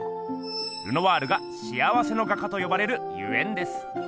ルノワールが「幸せの画家」とよばれるゆえんです。